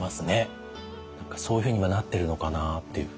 何かそういうふうに今なってるのかなっていうふうに。